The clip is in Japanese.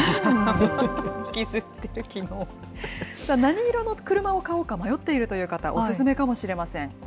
さあ、何色の車を買おうか、迷っているという方、お勧めかもしれません。